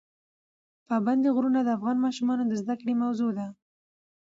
پابندي غرونه د افغان ماشومانو د زده کړې موضوع ده.